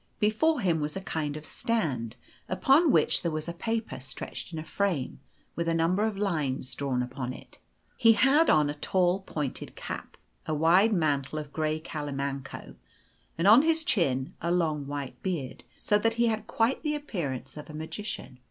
Before him was a kind of stand, upon which there was a paper stretched in a frame, with a number of lines drawn upon it. He had on a tall pointed cap, a wide mantle of grey calimanco, and on his chin a long white beard, so that he had quite the appearance of a magician.